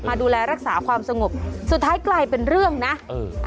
ดูแลรักษาความสงบสุดท้ายกลายเป็นเรื่องนะเออ